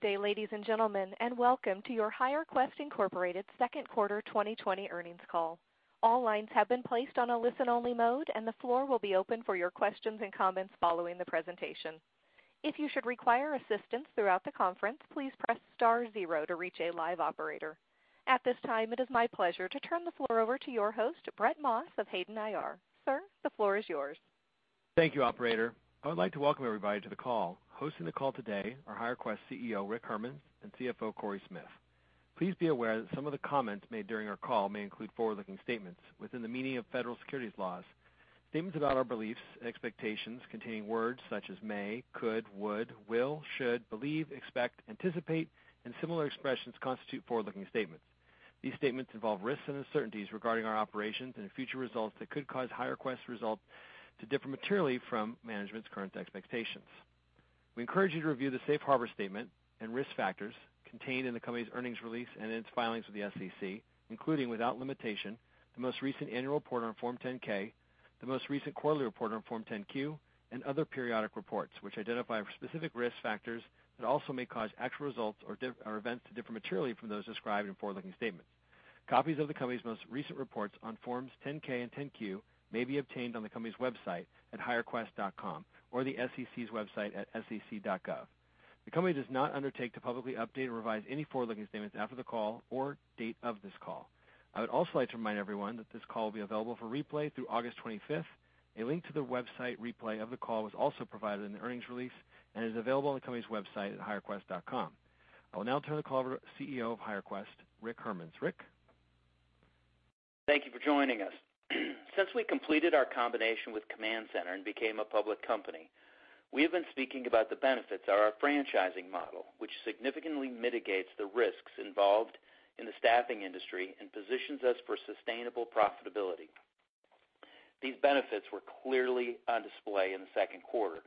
Good day, ladies and gentlemen, and welcome to your HireQuest, Inc. second quarter 2020 earnings call. All lines have been placed on a listen-only mode, and the floor will be open for your questions and comments following the presentation. If you should require assistance throughout the conference, please press star zero to reach a live operator. At this time, it is my pleasure to turn the floor over to your host, Brett Maas of Hayden IR. Sir, the floor is yours. Thank you, operator. I would like to welcome everybody to the call. Hosting the call today are HireQuest CEO, Rick Hermanns, and CFO, Cory Smith. Please be aware that some of the comments made during our call may include forward-looking statements within the meaning of federal securities laws. Statements about our beliefs and expectations containing words such as may, could, would, will, should, believe, expect, anticipate, and similar expressions constitute forward-looking statements. These statements involve risks and uncertainties regarding our operations and future results that could cause HireQuest results to differ materially from management's current expectations. We encourage you to review the safe harbor statement and risk factors contained in the company's earnings release and in its filings with the SEC, including, without limitation, the most recent annual report on Form 10-K, the most recent quarterly report on Form 10-Q, and other periodic reports, which identify specific risk factors that also may cause actual results or events to differ materially from those described in forward-looking statements. Copies of the company's most recent reports on Forms 10-K and 10-Q may be obtained on the company's website at hirequest.com or the SEC's website at sec.gov. The company does not undertake to publicly update or revise any forward-looking statements after the call or date of this call. I would also like to remind everyone that this call will be available for replay through August 25th. A link to the website replay of the call was also provided in the earnings release and is available on the company's website at hirequest.com. I will now turn the call over to CEO of HireQuest, Rick Hermanns. Rick? Thank you for joining us. Since we completed our combination with Command Center and became a public company, we have been speaking about the benefits of our franchising model, which significantly mitigates the risks involved in the staffing industry and positions us for sustainable profitability. These benefits were clearly on display in the second quarter,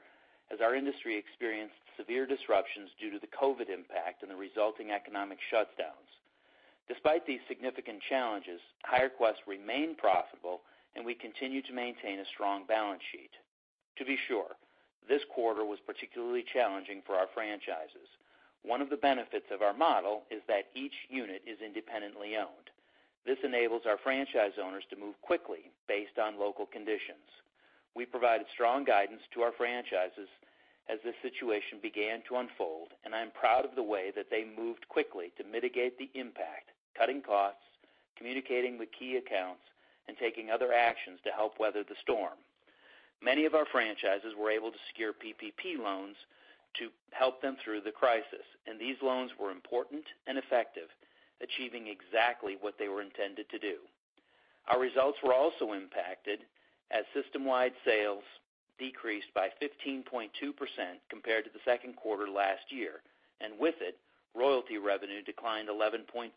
as our industry experienced severe disruptions due to the COVID impact and the resulting economic shutdowns. Despite these significant challenges, HireQuest remained profitable, and we continue to maintain a strong balance sheet. To be sure, this quarter was particularly challenging for our franchises. One of the benefits of our model is that each unit is independently owned. This enables our franchise owners to move quickly based on local conditions. We provided strong guidance to our franchises as this situation began to unfold. I am proud of the way that they moved quickly to mitigate the impact, cutting costs, communicating with key accounts, and taking other actions to help weather the storm. Many of our franchises were able to secure PPP loans to help them through the crisis. These loans were important and effective, achieving exactly what they were intended to do. Our results were also impacted as system-wide sales decreased by 15.2% compared to the second quarter last year. With it, royalty revenue declined 11.5%.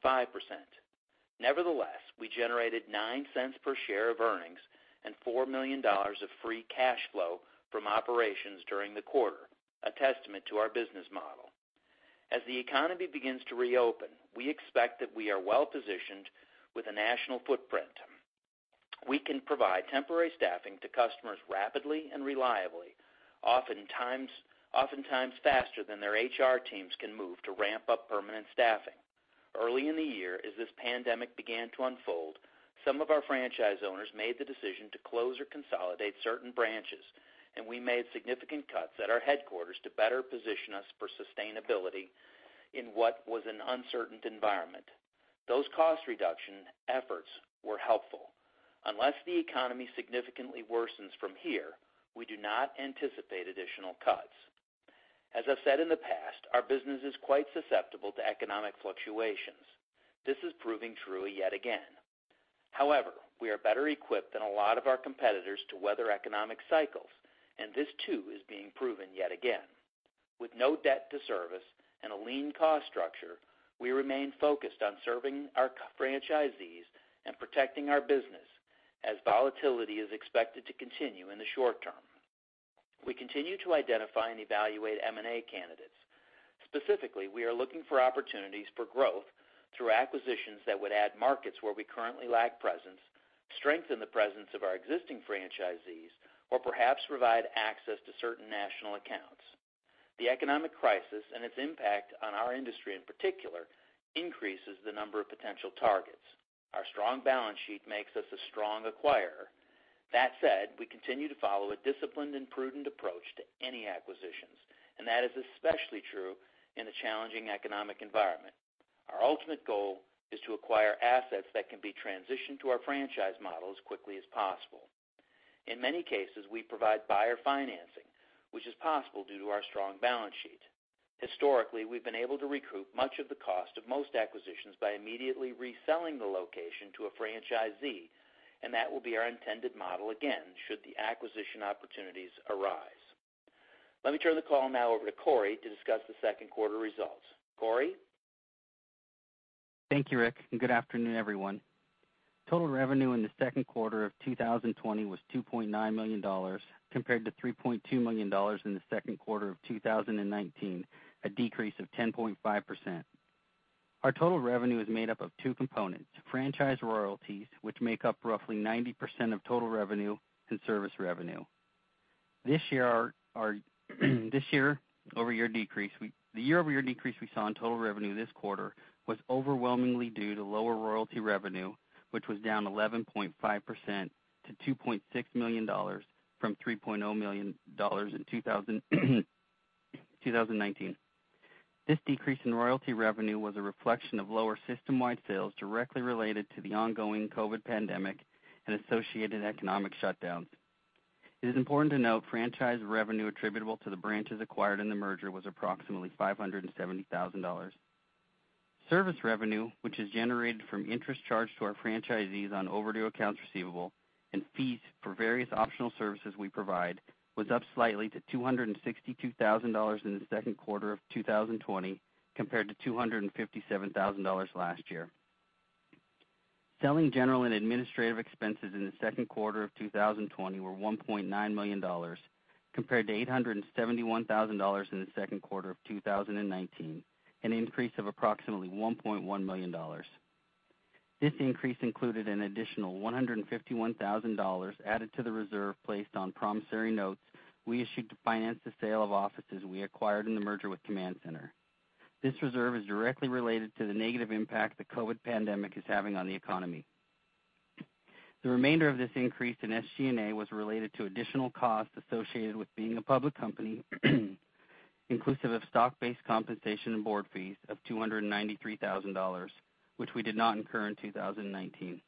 Nevertheless, we generated $0.09 per share of earnings and $4 million of free cash flow from operations during the quarter, a testament to our business model. As the economy begins to reopen, we expect that we are well-positioned with a national footprint. We can provide temporary staffing to customers rapidly and reliably, oftentimes faster than their HR teams can move to ramp up permanent staffing. Early in the year, as this pandemic began to unfold, some of our franchise owners made the decision to close or consolidate certain branches, and we made significant cuts at our headquarters to better position us for sustainability in what was an uncertain environment. Those cost reduction efforts were helpful. Unless the economy significantly worsens from here, we do not anticipate additional cuts. As I've said in the past, our business is quite susceptible to economic fluctuations. This is proving true yet again. However, we are better equipped than a lot of our competitors to weather economic cycles, and this too is being proven yet again. With no debt to service and a lean cost structure, we remain focused on serving our franchisees and protecting our business as volatility is expected to continue in the short term. We continue to identify and evaluate M&A candidates. Specifically, we are looking for opportunities for growth through acquisitions that would add markets where we currently lack presence, strengthen the presence of our existing franchisees, or perhaps provide access to certain national accounts. The economic crisis and its impact on our industry in particular, increases the number of potential targets. Our strong balance sheet makes us a strong acquirer. That said, we continue to follow a disciplined and prudent approach to any acquisitions, and that is especially true in a challenging economic environment. Our ultimate goal is to acquire assets that can be transitioned to our franchise model as quickly as possible. In many cases, we provide buyer financing, which is possible due to our strong balance sheet. Historically, we've been able to recoup much of the cost of most acquisitions by immediately reselling the location to a franchisee, and that will be our intended model again, should the acquisition opportunities arise. Let me turn the call now over to Cory to discuss the second quarter results. Cory? Thank you, Rick. Good afternoon, everyone. Total revenue in the second quarter of 2020 was $2.9 million, compared to $3.2 million in the second quarter of 2019, a decrease of 10.5%. Our total revenue is made up of two components, franchise royalties, which make up roughly 90% of total revenue, and service revenue. The year-over-year decrease we saw in total revenue this quarter was overwhelmingly due to lower royalty revenue, which was down 11.5% to $2.6 million from $3.0 million in 2019. This decrease in royalty revenue was a reflection of lower system-wide sales directly related to the ongoing COVID pandemic and associated economic shutdowns. It is important to note franchise revenue attributable to the branches acquired in the merger was approximately $570,000. Service revenue, which is generated from interest charged to our franchisees on overdue accounts receivable and fees for various optional services we provide, was up slightly to $262,000 in the second quarter of 2020 compared to $257,000 last year. Selling, general, and administrative expenses in the second quarter of 2020 were $1.9 million, compared to $871,000 in the second quarter of 2019, an increase of approximately $1.1 million. This increase included an additional $151,000 added to the reserve placed on promissory notes we issued to finance the sale of offices we acquired in the merger with Command Center. This reserve is directly related to the negative impact the COVID pandemic is having on the economy. The remainder of this increase in SG&A was related to additional costs associated with being a public company, inclusive of stock-based compensation and board fees of $293,000, which we did not incur in 2019.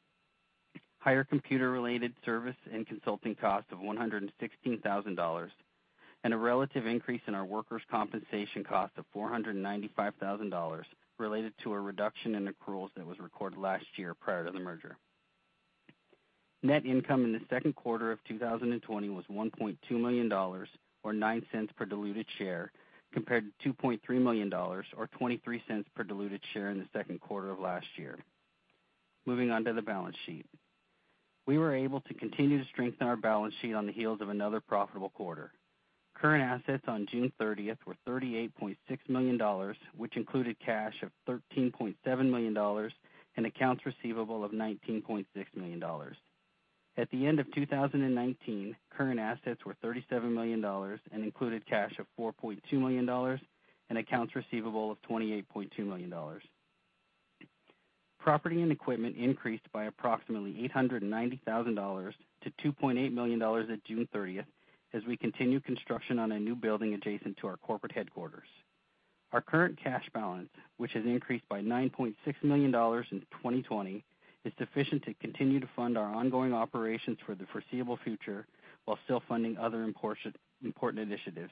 Higher computer-related service and consulting costs of $116,000, and a relative increase in our workers' compensation cost of $495,000 related to a reduction in accruals that was recorded last year prior to the merger. Net income in the second quarter of 2020 was $1.2 million, or $0.09 per diluted share, compared to $2.3 million or $0.23 per diluted share in the second quarter of last year. Moving on to the balance sheet. We were able to continue to strengthen our balance sheet on the heels of another profitable quarter. Current assets on June 30th were $38.6 million, which included cash of $13.7 million and accounts receivable of $19.6 million. At the end of 2019, current assets were $37 million and included cash of $4.2 million and accounts receivable of $28.2 million. Property and equipment increased by approximately $890,000 to $2.8 million at June 30th, as we continue construction on a new building adjacent to our corporate headquarters. Our current cash balance, which has increased by $9.6 million in 2020, is sufficient to continue to fund our ongoing operations for the foreseeable future while still funding other important initiatives.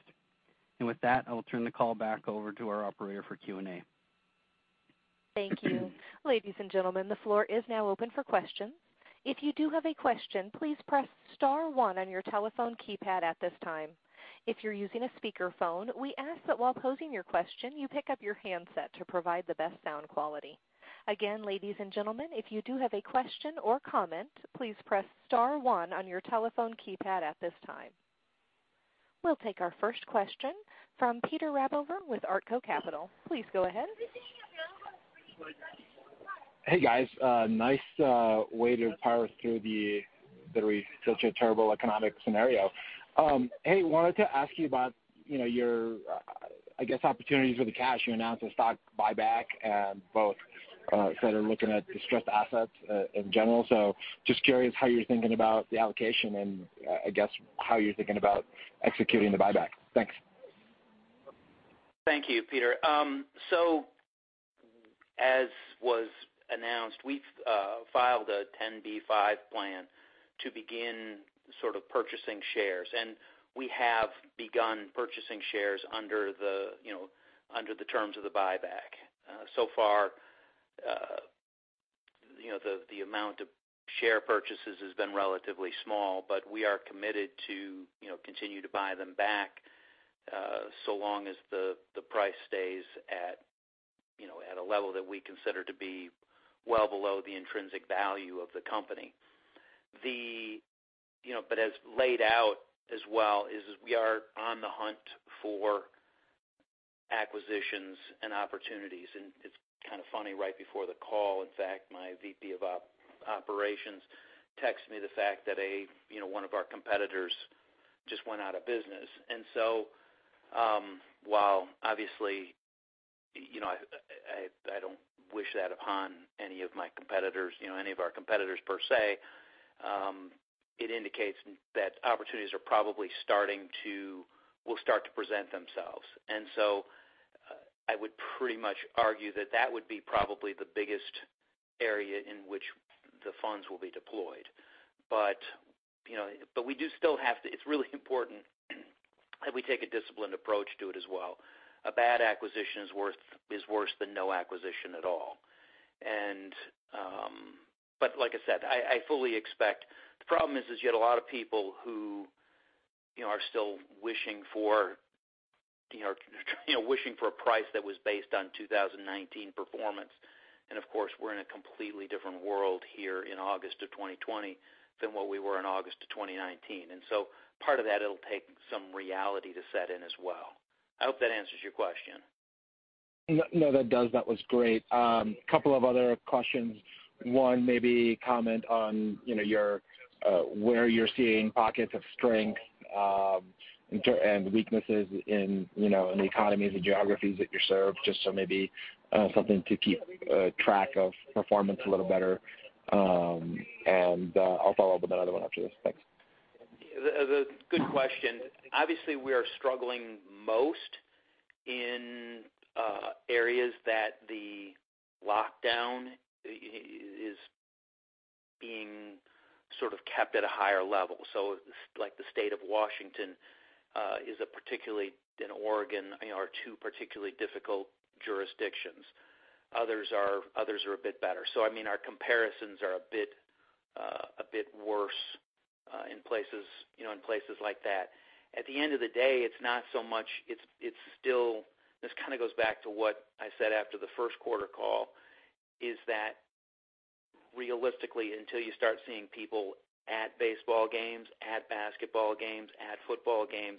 With that, I will turn the call back over to our operator for Q&A. Thank you. Ladies and gentlemen, the floor is now open for questions. If you do have a question, please press star one on your telephone keypad at this time. If you're using a speakerphone, we ask that while posing your question, you pick up your handset to provide the best sound quality. Again, ladies and gentlemen, if you do have a question or comment, please press star one on your telephone keypad at this time. We'll take our first question from Peter Rabover with Artko Capital. Please go ahead. Hey, guys. Nice way to power through the, literally, such a terrible economic scenario. Hey, wanted to ask you about your, I guess, opportunities with the cash. You announced a stock buyback and both said you're looking at distressed assets in general. Just curious how you're thinking about the allocation and, I guess, how you're thinking about executing the buyback. Thanks. Thank you, Peter. As was announced, we've filed a 10b5-1 plan to begin purchasing shares, and we have begun purchasing shares under the terms of the buyback. So far, the amount of share purchases has been relatively small, but we are committed to continue to buy them back, so long as the price stays at a level that we consider to be well below the intrinsic value of the company. As laid out as well is we are on the hunt for acquisitions and opportunities. It's kind of funny, right before the call, in fact, my VP of operations texted me the fact that one of our competitors just went out of business. While obviously, I don't wish that upon any of our competitors, per se, it indicates that opportunities will start to present themselves. I would pretty much argue that that would be probably the biggest area in which the funds will be deployed. It's really important that we take a disciplined approach to it as well. A bad acquisition is worse than no acquisition at all. The problem is you get a lot of people who are still wishing for a price that was based on 2019 performance. Of course, we're in a completely different world here in August of 2020 than what we were in August of 2019. Part of that, it'll take some reality to set in as well. I hope that answers your question. No, that does. That was great. Couple of other questions. One, maybe comment on where you're seeing pockets of strength, and weaknesses in the economies, the geographies that you serve, just so maybe something to keep track of performance a little better. I'll follow up with another one after this. Thanks. Good question. Obviously, we are struggling most in areas that the lockdown is being sort of kept at a higher level. Like the State of Washington, and Oregon are two particularly difficult jurisdictions. Others are a bit better. I mean, our comparisons are a bit worse in places like that. At the end of the day, this kind of goes back to what I said after the first quarter call, is that realistically, until you start seeing people at baseball games, at basketball games, at football games,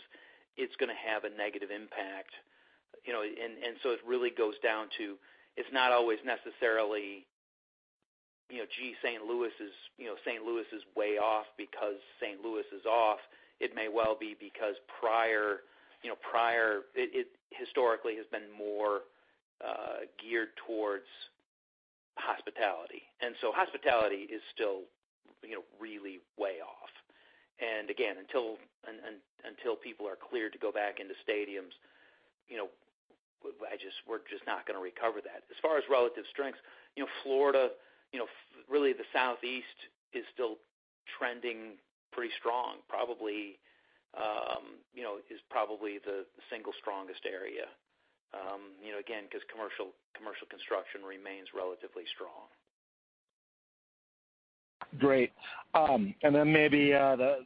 it's going to have a negative impact. It really goes down to, it's not always necessarily, gee, St. Louis is way off because St. Louis is off. It may well be because historically has been more geared towards hospitality, and so hospitality is still really way off. Again, until people are cleared to go back into stadiums, we're just not going to recover that. As far as relative strengths, Florida, really the Southeast is still trending pretty strong, is probably the single strongest area. Again, because commercial construction remains relatively strong. Great. Maybe a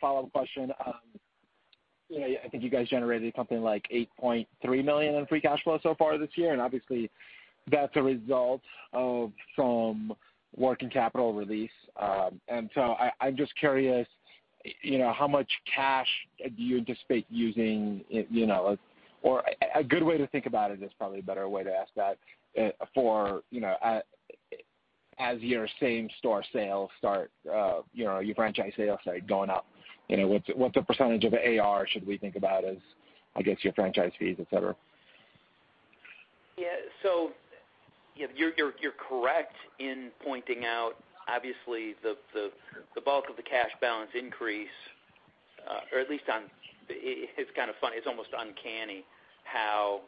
follow-up question. I think you guys generated something like $8.3 million in free cash flow so far this year, and obviously that's a result of some working capital release. I'm just curious, how much cash do you anticipate using, or a good way to think about it is probably a better way to ask that, as your same store sales start, your franchise sales start going up, what's a percentage of AR should we think about as, I guess, your franchise fees, et cetera? Yeah. You're correct in pointing out, obviously, the bulk of the cash balance increase, or at least it's kind of funny, it's almost uncanny how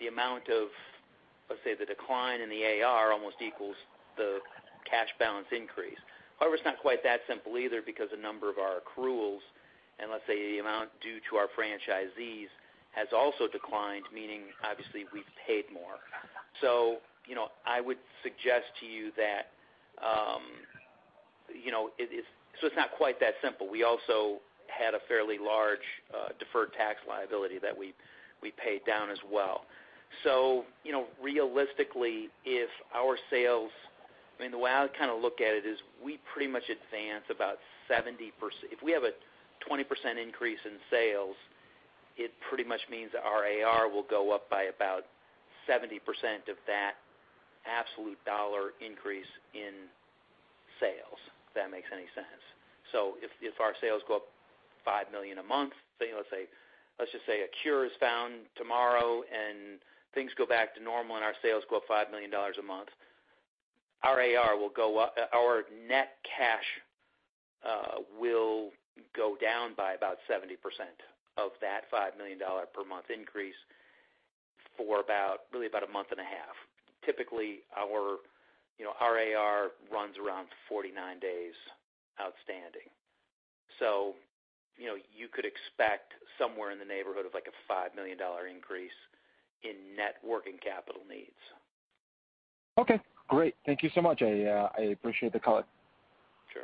the amount of, let's say, the decline in the AR almost equals the cash balance increase. However, it's not quite that simple either because a number of our accruals, and let's say the amount due to our franchisees, has also declined, meaning obviously we've paid more. It's not quite that simple. We also had a fairly large deferred tax liability that we paid down as well. Realistically, the way I kind of look at it is if we have a 20% increase in sales, it pretty much means our AR will go up by about 70% of that absolute dollar increase in sales, if that makes any sense. If our sales go up $5 million a month, let's just say a cure is found tomorrow and things go back to normal and our sales go up $5 million a month. Our net cash will go down by about 70% of that $5 million per month increase for really about a month and a half. Typically, our AR runs around 49 days outstanding. You could expect somewhere in the neighborhood of like a $5 million increase in net working capital needs. Okay, great. Thank you so much. I appreciate the call. Sure.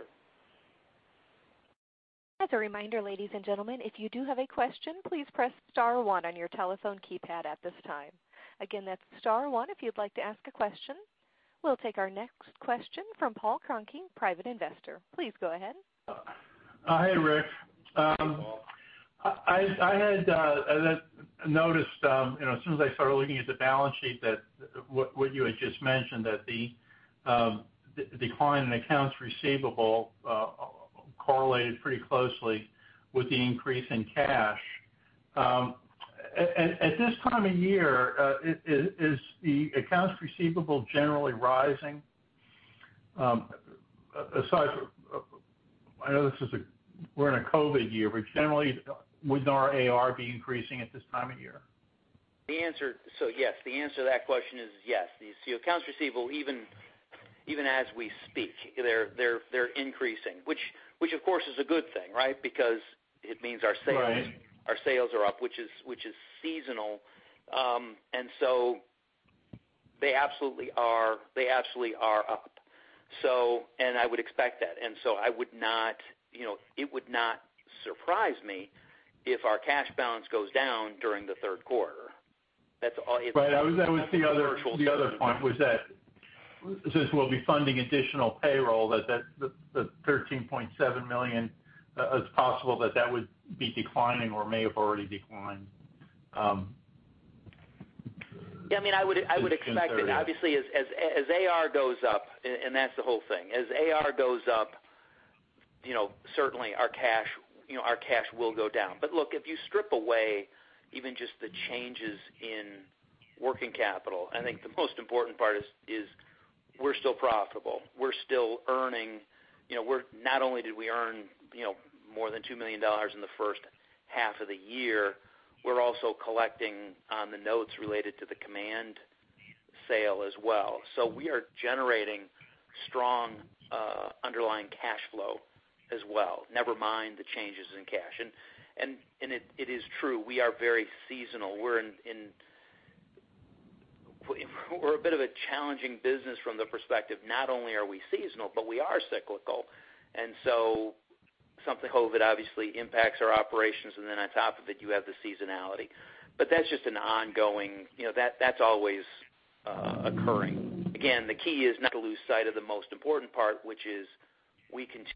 As a reminder, ladies and gentlemen, if you do have a question, please press star one on your telephone keypad at this time. Again, that's star one if you'd like to ask a question. We'll take our next question from Paul Cronkey, Private Investor. Please go ahead. Hi, Rick. Hey, Paul. I had noticed, as soon as I started looking at the balance sheet that what you had just mentioned, that the decline in accounts receivable correlated pretty closely with the increase in cash. At this time of year, is the accounts receivable generally rising? Aside from, I know we're in a COVID year, but generally, wouldn't our AR be increasing at this time of year? Yes. The answer to that question is yes. Accounts receivable, even as we speak, they're increasing, which of course is a good thing, right? Right our sales are up, which is seasonal. They absolutely are up. I would expect that. I would not, it would not surprise me if our cash balance goes down during the third quarter. Right. That was the other point was that since we'll be funding additional payroll, the $13.7 million, it's possible that that would be declining or may have already declined. Yeah, I would expect that. Obviously, as AR goes up, and that's the whole thing. As AR goes up, certainly our cash will go down. Look, if you strip away even just the changes in working capital, I think the most important part is we're still profitable. We're still earning. Not only did we earn more than $2 million in the first half of the year, we're also collecting on the notes related to the Command sale as well. We are generating strong underlying cash flow as well, never mind the changes in cash. It is true, we are very seasonal. We're in a bit of a challenging business from the perspective, not only are we seasonal, but we are cyclical. Something COVID obviously impacts our operations, and then on top of it, you have the seasonality. That's just an ongoing, that's always occurring. The key is not to lose sight of the most important part, which is we continue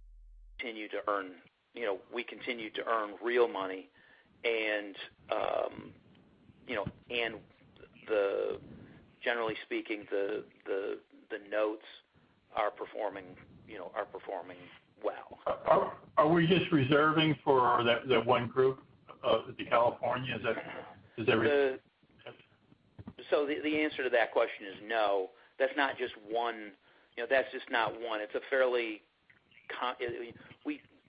to earn real money. Generally speaking, the notes are performing well. Are we just reserving for that one group of the California? Is that? The- Yes. The answer to that question is no. That's not just one. That's just not one.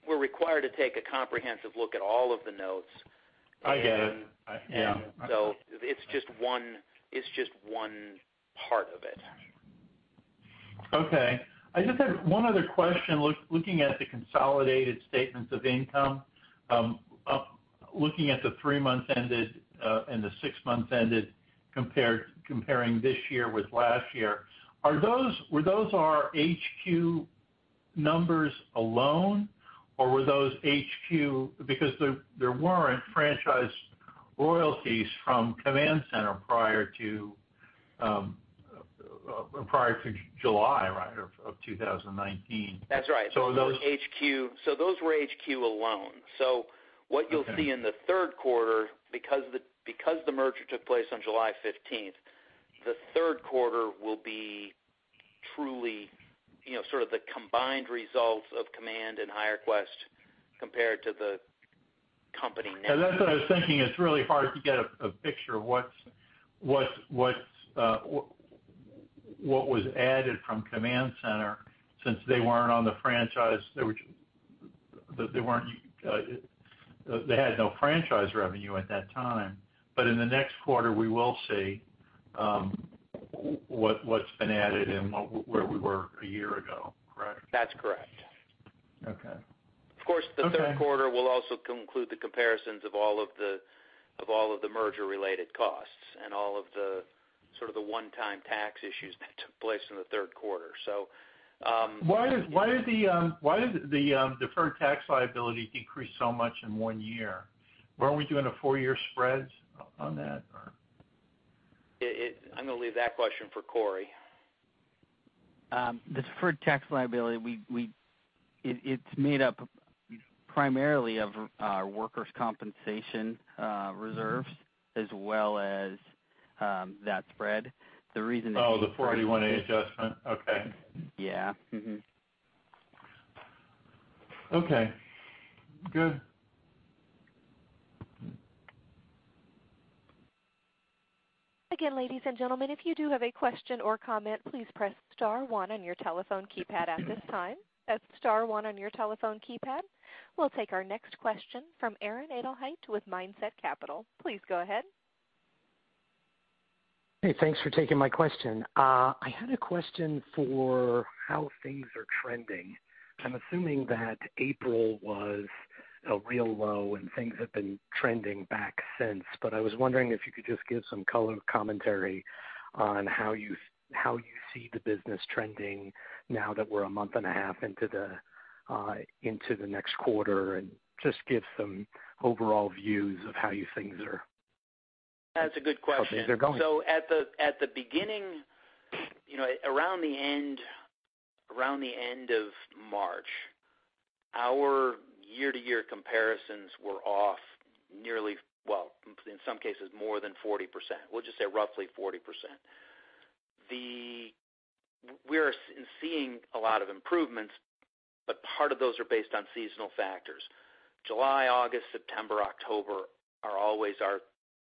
We're required to take a comprehensive look at all of the notes. I get it. Yeah. It's just one part of it. Okay. I just had one other question. Looking at the consolidated statements of income, looking at the three months ended and the six months ended comparing this year with last year, were those our HQ numbers alone? Were those HQ because there weren't franchise royalties from Command Center prior to July of 2019. That's right. So those- Those were HQ alone. What you'll see in the third quarter, because the merger took place on July 15th, the third quarter will be truly sort of the combined results of Command and HireQuest compared to the company now. That's what I was thinking. It's really hard to get a picture of what was added from Command Center since they weren't on the franchise. They had no franchise revenue at that time. In the next quarter, we will see what's been added and where we were a year ago, correct? That's correct. Okay. Of course, the third quarter will also conclude the comparisons of all of the merger-related costs and all of the sort of the one-time tax issues that took place in the third quarter. Why did the deferred tax liability decrease so much in one year? Weren't we doing a four-year spread on that or? I'm going to leave that question for Cory. The deferred tax liability, it's made up primarily of workers' compensation reserves as well as that spread. Oh, the 481(a) adjustment. Okay. Yeah. Mm-hmm. Okay, good. Again, ladies and gentlemen, if you do have a question or comment, please press star one on your telephone keypad at this time. That's star one on your telephone keypad. We'll take our next question from Aaron Edelheit with Mindset Capital. Please go ahead. Hey, thanks for taking my question. I had a question for how things are trending. I'm assuming that April was a real low and things have been trending back since, but I was wondering if you could just give some color commentary on how you see the business trending now that we're a month and a half into the next quarter. That's a good question. how things are going. At the beginning, around the end of March, our year-to-year comparisons were off nearly, well, in some cases more than 40%. We'll just say roughly 40%. We are seeing a lot of improvements, part of those are based on seasonal factors. July, August, September, October are always our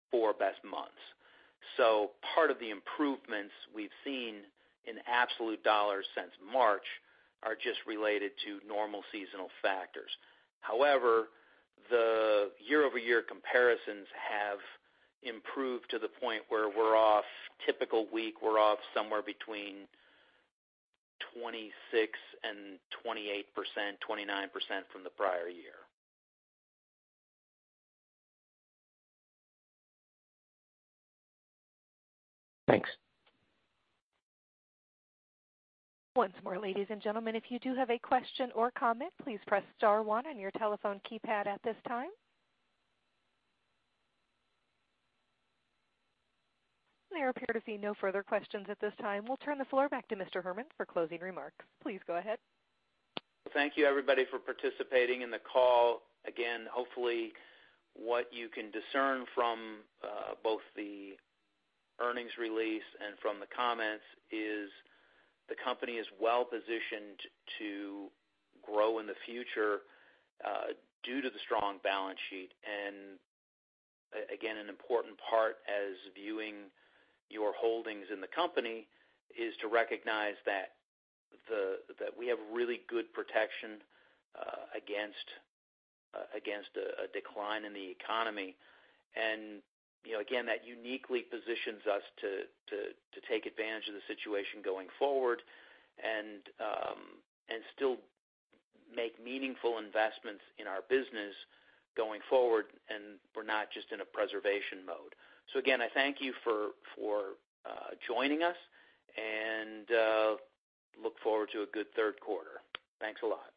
four best months. Part of the improvements we've seen in absolute dollars since March are just related to normal seasonal factors. However, the year-over-year comparisons have improved to the point where we're off typical week, we're off somewhere between 26% and 28%, 29% from the prior year. Thanks. Once more, ladies and gentlemen, if you do have a question or comment, please press star one on your telephone keypad at this time. There appear to be no further questions at this time. We'll turn the floor back to Mr. Herman for closing remarks. Please go ahead. Thank you everybody for participating in the call. Hopefully what you can discern from both the earnings release and from the comments is the company is well-positioned to grow in the future due to the strong balance sheet. An important part as viewing your holdings in the company is to recognize that we have really good protection against a decline in the economy. That uniquely positions us to take advantage of the situation going forward and still make meaningful investments in our business going forward. We're not just in a preservation mode. I thank you for joining us and look forward to a good third quarter. Thanks a lot.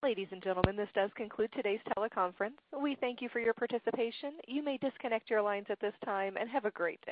Ladies and gentlemen, this does conclude today's teleconference. We thank you for your participation. You may disconnect your lines at this time, and have a great day.